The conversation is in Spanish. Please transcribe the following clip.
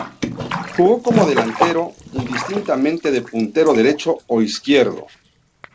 Jugó como delantero, indistintamente de puntero derecho o izquierdo.